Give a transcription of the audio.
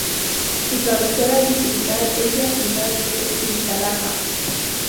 Su cabecera distrital es la ciudad de Cintalapa.